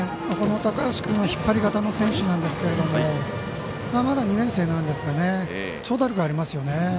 高橋君は引っ張り型の選手なんですけどまだ２年生なんですが長打力ありますよね。